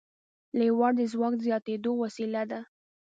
لیور د ځواک د زیاتېدو وسیله ده.